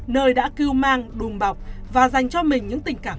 nơi đã kêu mang đùm bọc và dành cho mình